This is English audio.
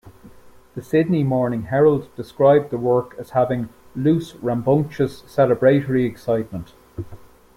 The Sydney Morning Herald described the work as having "loose, rambunctious, celebratory excitement".